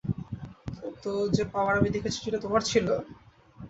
তো, যে পাওয়ার আমি দেখেছি সেটা তোমার ছিল?